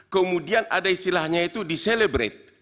kemudian ada istilahnya itu diselebrate